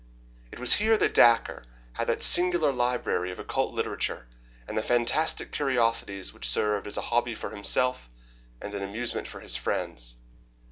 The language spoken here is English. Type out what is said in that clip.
It was here that Dacre had that singular library of occult literature, and the fantastic curiosities which served as a hobby for himself, and an amusement for his friends.